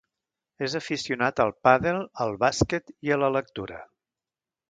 És aficionat al pàdel, al bàsquet, i a la lectura.